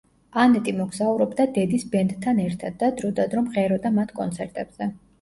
ანეტი მოგზაურობდა დედის ბენდთან ერთად და დრო და დრო მღეროდა მათ კონცერტებზე.